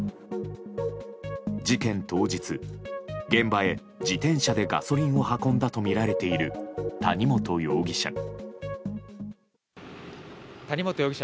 事件当日、現場へ自転車でガソリンを運んだとみられている谷本容疑者。